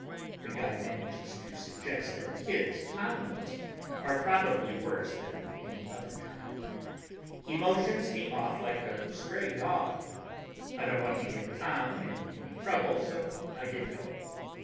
The guy manages to suggest that kids Tom knows are probably worse than any other kind. He motions me off like a stray dog. I don't want to get Tom in any trouble, so I get going.